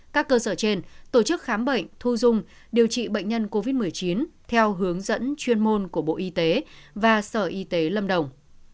các cơ sở trên tổ chức khám bệnh thu dung điều trị bệnh nhân covid một mươi chín theo hướng dẫn chuyên môn của bộ y tế và sở y tế lâm đồng